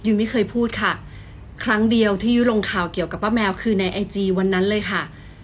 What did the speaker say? ไม่เคยพูดค่ะครั้งเดียวที่ยุ้ยลงข่าวเกี่ยวกับป้าแมวคือในไอจีวันนั้นเลยค่ะ